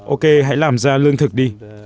ok hãy làm ra lương thực đi